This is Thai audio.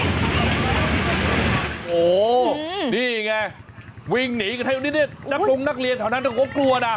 โอ้โหนี่ไงวิ่งหนีกันให้วันนี้นักลงนักเรียนแถวนั้นเขากลัวนะ